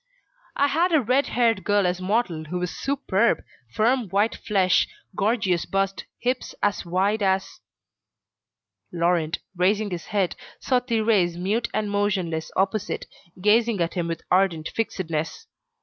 I had a red haired girl as model who was superb, firm white flesh, gorgeous bust, hips as wide as ..." Laurent, raising his head, saw Thérèse mute and motionless opposite, gazing at him with ardent fixedness.